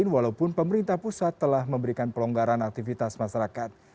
walaupun pemerintah pusat telah memberikan pelonggaran aktivitas masyarakat